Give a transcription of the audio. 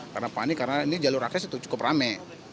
karena panik karena ini jalur akses itu cukup rame